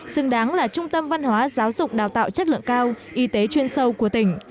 xứng đáng là trung tâm văn hóa giáo dục đào tạo chất lượng cao y tế chuyên sâu của tỉnh